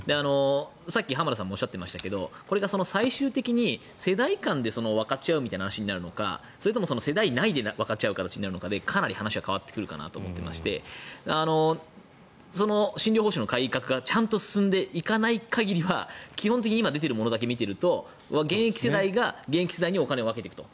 さっき浜田さんもおっしゃっていましたがこれが最終的に世代間で分かち合うみたいな話になるのかそれとも世代内で分かち合うのかというのでかなり話は変わってくるかなと思っていまして診療報酬の改革がちゃんと進んでいかない限りは基本的に今出ているものだけを見ていると現役世代が現役世代にお金を分けていくと。